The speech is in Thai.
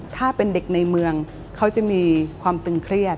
ถ้าเป็นเด็กในเมืองเขาจะมีความตึงเครียด